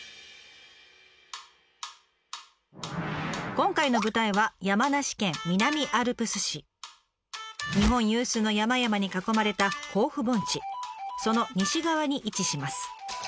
今回の舞台は日本有数の山々に囲まれたその西側に位置します。